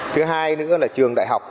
thứ hai nữa là trường đại học